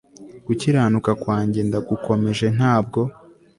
Gukiranuka kwanjye ndagukomeje ntabwo